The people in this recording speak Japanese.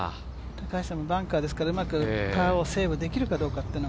高橋さんもバンカーですからうまくパーをセーブできるか。